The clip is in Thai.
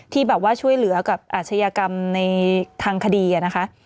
ที่แบบว่าช่วยเหลือกับอาชญากรรมในทางคดีนะคะ